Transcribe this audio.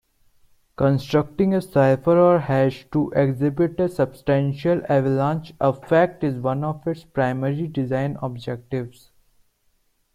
Constructing a cipher or hash to exhibit a substantial avalanche effect is one of its primary design objectives.